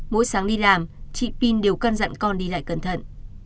mỗi sáng đi làm chị pin đều cân dặn con đi lại cẩn thận